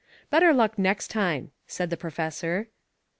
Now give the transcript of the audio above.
"Better luck next time," said the professor.